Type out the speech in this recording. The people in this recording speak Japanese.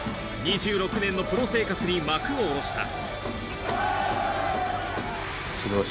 ２６年のプロ生活に幕をおろした。